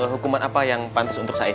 hukuman apa yang pantas untuk said